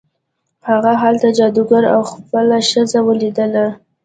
هغه هلته جادوګر او خپله ښځه ولیدل.